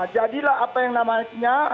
jadilah apa yang namanya